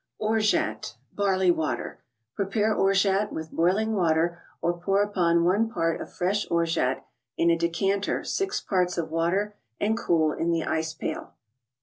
— Orgeat (Barley watery. Prepare Orgeat with boiling water, or pour upon one part of fresh Orgeat in a decanter six parts of water and cool in the ice pail.